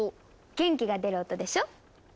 元気が出る音でしょ？